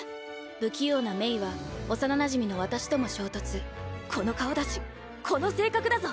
不器用なメイは幼なじみの私とも衝突この顔だしこの性格だぞ。